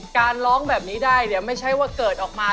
การร้องแบบนี้ได้เนี่ยไม่ใช่ว่าเกิดออกมา